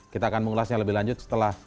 kita akan mengulasnya lebih lanjut setelah